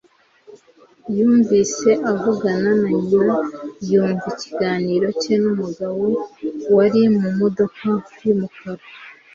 Yumvise avugana na nyina yumva ikiganiro cye numugabo wari mumodoka yumukara.